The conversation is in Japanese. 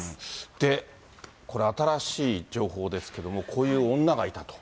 で、これ新しい情報ですけれども、こういう女がいたと。